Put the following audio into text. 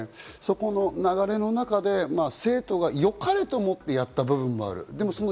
流れの中で生徒が良かれと思ってやった部分もある。